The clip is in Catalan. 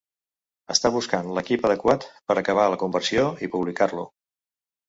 Estan buscant l'equip adequat per acabar la conversió i publicar-lo.